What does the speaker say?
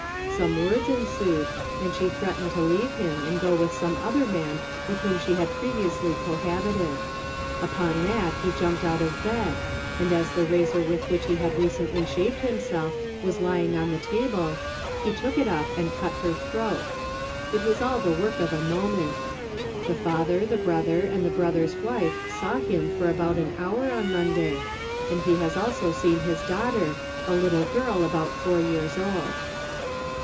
Some words ensued, and she threatened to leave him and go with some other man with whom she had previously cohabited. Upon that he jumped out of bed, and as the razor with which he had recently shaved himself was lying on the table he took it up and cut her throat. It was all the work of a moment. The father, the brother, and the brother's wife saw him for about an hour on Monday, and he has also seen his daughter, a little girl about four years old.